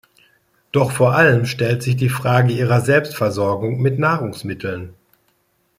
Doch vor allem stellt sich die Frage ihrer Selbstversorgung mit Nahrungsmitteln.